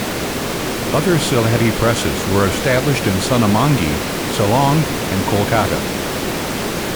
Other Sylheti presses were established in Sunamganj, Shillong and Kolkata.